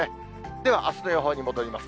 では、あすの予報に戻ります。